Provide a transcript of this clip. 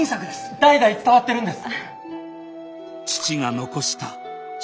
代々伝わってるんです！